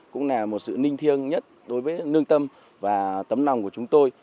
cũng là một sự ninh thiêng nhất đối với lương tâm và tấm lòng của chúng tôi